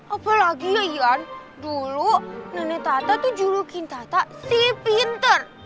apalagi yon dulu nenek tata tuh julukin tata si pintar